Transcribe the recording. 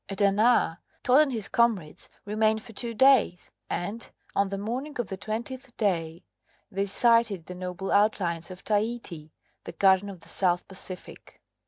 At Anaa, Todd and his comrades remained for two days, and on the morning of the 20th day they sighted the noble outlines of Tahiti, the Garden of the South Pacific.